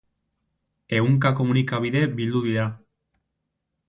Ehunka komunikabide bildu dira.